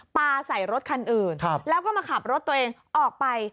ปลาใส่รถคันอื่นแล้วก็มาขับรถตัวเองออกไป